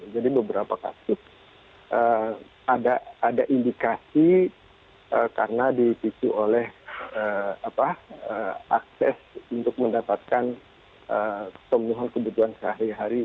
jadi beberapa kasus ada indikasi karena dipisu oleh akses untuk mendapatkan penuhan kebutuhan sehari hari